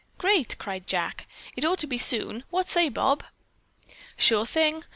"Great!" Jack cried. "It ought to be soon. What say, Bob?" "Sure thing!"